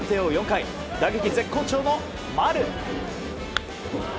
４回打撃絶好調の丸。